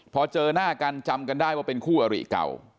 พอเจอหน้ากันจำกันได้ว่าเป็นคู่อริเก่า